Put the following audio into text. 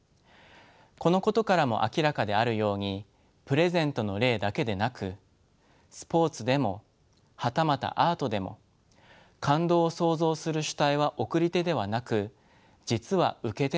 このことからも明らかであるようにプレゼントの例だけでなくスポーツでもはたまたアートでも感動を創造する主体は送り手ではなく実は受け手なのです。